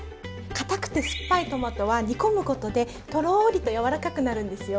かたくて酸っぱいトマトは煮込むことでとろりとやわらかくなるんですよ。